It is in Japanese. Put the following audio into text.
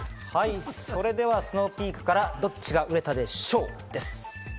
それではスノーピークから、どっちが売れたでＳＨＯＷ！です。